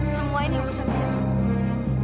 semua ini hubungan